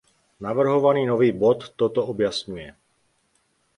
Navrhovaný nový bod toto objasňuje.